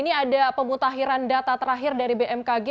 ini ada pemutahiran data terakhir dari bmkg